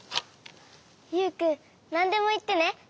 ユウくんなんでもいってね。